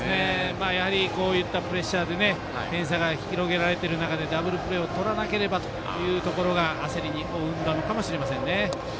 やはりこういったプレッシャーで点差が広げられている中でダブルプレーをとらなければというところが焦りを生んだのかもしれませんね。